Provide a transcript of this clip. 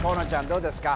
どうですか？